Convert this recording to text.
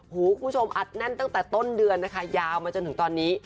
คุณผู้ชมอัดแน่นตั้งแต่ต้นเดือนนะคะยาวมาจนถึงตอนนี้